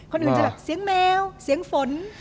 คนอื่นจะแบบเสียงแมวเสียงฝน